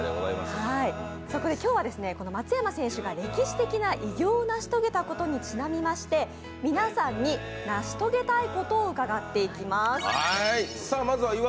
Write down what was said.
そこで今日は松山選手が歴史的な偉業を成し遂げたことにちなみまして皆さんに成し遂げたいことを伺っていきます。